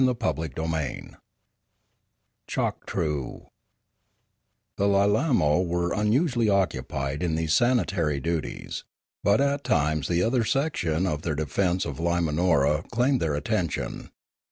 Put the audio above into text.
CHAPTER XIV CHOKTROO THE Lilamo were usually occupied in these sanitary duties, but at times the other section of their de fence of Iyimanora claimed their attention.